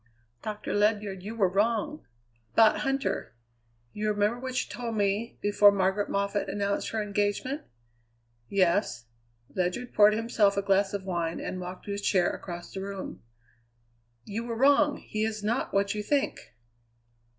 "Doctor Ledyard, you were wrong about Huntter! You remember what you told me, before Margaret Moffatt announced her engagement?" "Yes." Ledyard poured himself a glass of wine and walked to his chair across the room. "You were wrong; he is not what you think."